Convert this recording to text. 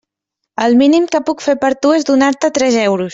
El mínim que puc fer per tu és donar-te tres euros.